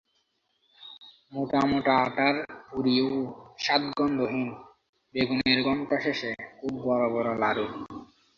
মোটা মোটা আটার পুরী ও স্বাদ-গন্ধহীন বেগুনের ঘণ্ট-শেষে খুব বড় বড় লাড়ু।